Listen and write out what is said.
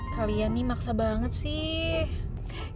kalian nih maksa banget sih